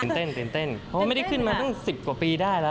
ตื่นเต้นเพราะว่าไม่ได้ขึ้นมาตั้ง๑๐กว่าปีได้แล้ว